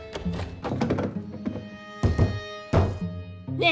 ねえ！